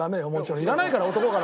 いらないから男から。